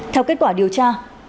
theo kết quả điều tra